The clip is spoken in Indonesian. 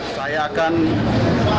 saya akan menjelang